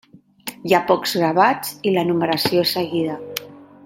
Hi ha pocs gravats i la numeració és seguida.